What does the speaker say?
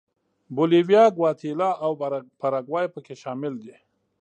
بولیویا، ګواتیلا او پاراګوای په کې شامل دي.